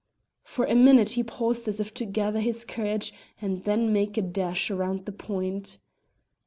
For a minute he paused as if to gather his courage and then make a dash round the point.